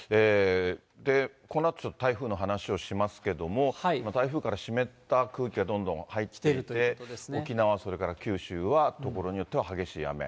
このあと、ちょっと台風の話をしますけれども、台風から湿った空気がどんどん入ってきて、沖縄、それから九州は所によっては激しい雨。